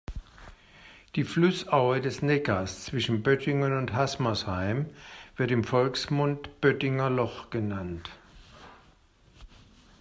Die Flussaue des Neckars zwischen Böttingen und Haßmersheim wird im Volksmund "Böttinger Loch" genannt.